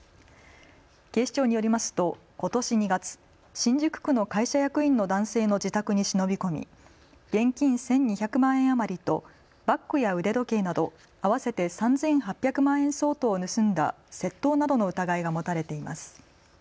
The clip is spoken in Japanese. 警視庁によりますとことし２月、新宿区の会社役員の男性の自宅に忍び込み現金１２００万円余りとバッグや腕時計など合わせて３８００万円相当を盗んだ窃盗などの疑いが持たれています。